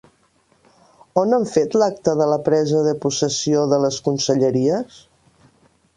On han fet l'acte de la presa de possessió de les conselleries?